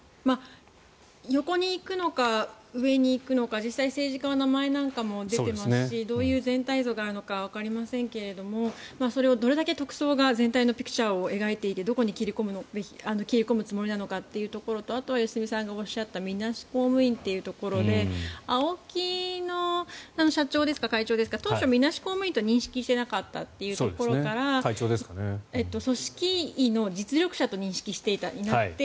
横に行くのか上に行くのか実際、政治家の名前なんかも出ていますしどういう全体像なのかはわかりませんがそれをどれだけ特捜が全体のピクチャを描いていてどこに切り込むつもりなのかってところとあとは良純さんがおっしゃったみなし公務員というところでＡＯＫＩの社長ですか会長ですか当初、みなし公務員と認識していなかったってところから組織委の実力者と認識していたになって